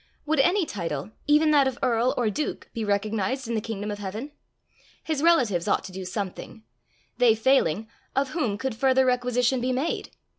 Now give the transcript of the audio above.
Would any title even that of Earl or Duke, be recognized in the kingdom of heaven? His relatives ought to do something: they failing, of whom could further requisition be made?